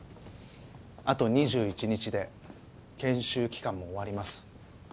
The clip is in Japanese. あと２１日で研修期間も終わります。